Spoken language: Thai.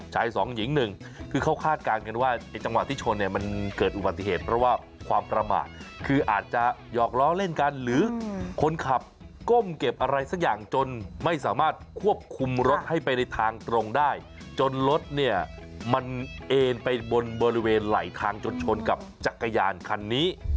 ชายสองหญิงหนึ่งคือเขาคาดการณ์กันว่าไอ้จังหวะที่ชนเนี่ยมันเกิดอุบัติเหตุเพราะว่าความประมาทคืออาจจะหยอกล้อเล่นกันหรือคนขับก้มเก็บอะไรสักอย่างจนไม่สามารถควบคุมรถให้ไปในทางตรงได้จนรถเนี่ยมันเอ็นไปบนบริเวณไหลทางจนชนกับจักรยานคันนี้